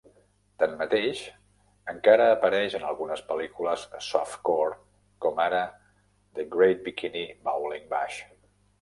Tanmateix, encara apareix en algunes pel·lícules softcore, com ara The Great Bikini Bowling Bash.